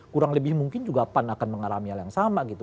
kurang lebih mungkin juga pan akan mengalami hal yang sama gitu